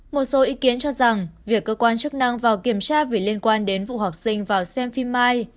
một số ý kiến cho rằng việc cơ quan chức năng vào kiểm tra vì liên quan đến vụ học sinh vào xem phim mai